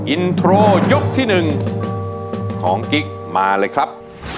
อินโทรยกที่๑ของกิ๊กมาเลยครับ